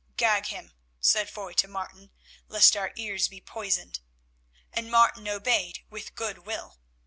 "Gag him," said Foy to Martin, "lest our ears be poisoned," and Martin obeyed with good will.